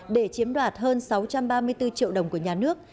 để chiếm đoạt hơn sáu trăm ba mươi bốn triệu đồng của nhà nước